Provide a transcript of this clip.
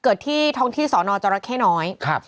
เกิดที่ทองที่สอนอจรกแค่น้อย